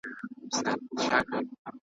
غزرائيل د دښمنانو .